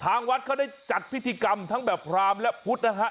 ทางวัดเขาได้จัดพิธีกรรมทั้งแบบพรามและพุทธนะฮะ